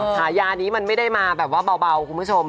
ฉายานี้มันไม่ได้มาแบบว่าเบาคุณผู้ชม